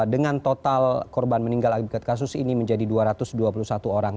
dengan total korban meninggal akibat kasus ini menjadi dua ratus dua puluh satu orang